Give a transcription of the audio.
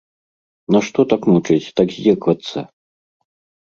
Нашто так мучыць, так здзекавацца?